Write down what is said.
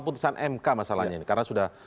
putusan mk masalahnya ini karena sudah